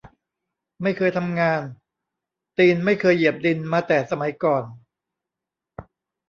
ไม่เคยทำงาน ตีนไม่เคยเหยียบดินมาแต่สมัยก่อน